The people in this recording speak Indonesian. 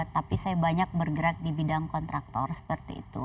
tapi saya banyak bergerak di bidang kontraktor seperti itu